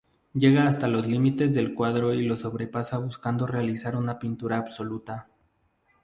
Llega hasta los límites del cuadro y los sobrepasa buscando realizar una pintura absoluta.